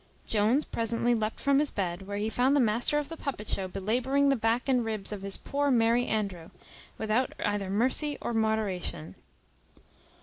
Jones presently leapt from his bed, where he found the master of the puppet show belabouring the back and ribs of his poor Merry Andrew, without either mercy or moderation.